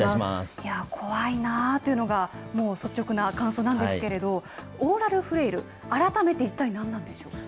怖いなあというのが、もう率直な感想なんですけれども、オーラルフレイル、改めて一体何なんでしょうか。